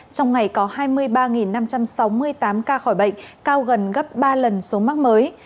trong ngày có hai mươi ba năm trăm sáu mươi tám ca khỏi bệnh cao gần gấp ba lần số mắc mới